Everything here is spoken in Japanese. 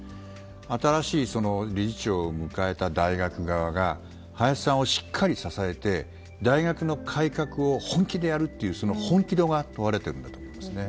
新しい理事長を迎えた大学側が林さんをしっかり支えて大学の改革を本気でやるっていうその本気度が問われていると思いますね。